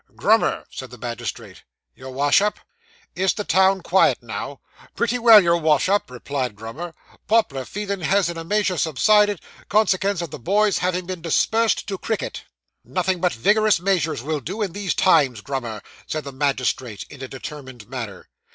'Grummer,' said the magistrate. 'Your Wash up.' 'Is the town quiet now?' 'Pretty well, your Wash up,' replied Grummer. 'Pop'lar feeling has in a measure subsided, consekens o' the boys having dispersed to cricket.' 'Nothing but vigorous measures will do in these times, Grummer,' said the magistrate, in a determined manner.